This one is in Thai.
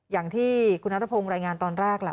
อย่างที่คุณนัทพงศ์รายงานตอนแรกแหละ